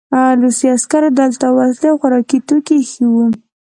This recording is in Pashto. روسي عسکرو دلته وسلې او خوراکي توکي ایښي وو